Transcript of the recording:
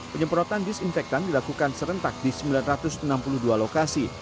penyemprotan disinfektan dilakukan serentak di sembilan ratus enam puluh dua lokasi